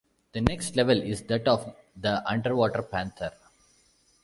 The next level is that of the Underwater Panther.